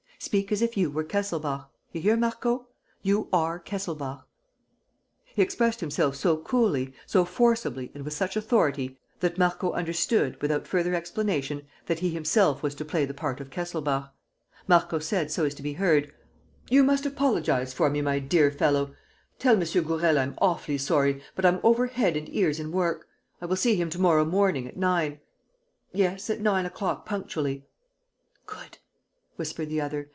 Speak as if you were Kesselbach. ... You hear, Marco! You are Kesselbach." He expressed himself so coolly, so forcibly and with such authority that Marco understood, without further explanation, that he himself was to play the part of Kesselbach. Marco said, so as to be heard: "You must apologize for me, my dear fellow. Tell M. Gourel I'm awfully sorry, but I'm over head and ears in work. ... I will see him to morrow morning, at nine ... yes, at nine o'clock punctually." "Good!" whispered the other.